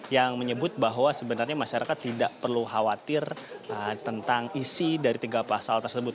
yang menyebut bahwa sebenarnya masyarakat tidak perlu khawatir tentang isi dari tiga pasal tersebut